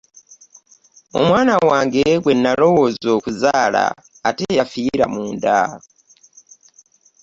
Omwana wange gwe nalowooza okuzaala ate yafiira munda.